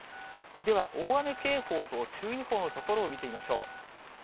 では、大雨警報と注意報の所を見てみましょう。